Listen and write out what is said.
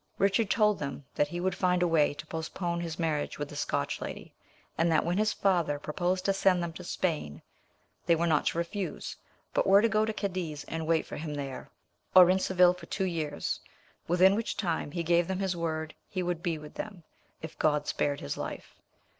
Richard told them that he would find a way to postpone his marriage with the Scotch lady, and that when his father proposed to send them to Spain they were not to refuse, but were to go to Cadiz and wait for him there or in Seville for two years, within which time he gave them his word he would be with them, if God spared his life.